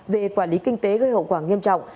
về quản lý kinh tế gây hậu quả nghiêm trọng